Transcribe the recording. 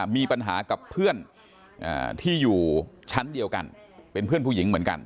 มีปัญหากับเพื่อนที่อยู่ชั้นเดียวกันเป็นเพื่อนผู้หญิงเหมือนกัน